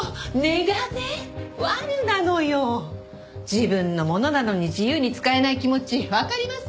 自分のものなのに自由に使えない気持ちわかります？